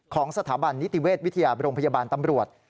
ของสถาบันนิติเวชวิทยาโรงพยาบาลตำรวจ